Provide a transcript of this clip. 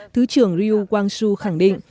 thứ trưởng ryu wang su khẳng định